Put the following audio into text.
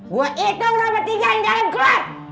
gue hitung sama tiga yang di dalam keluar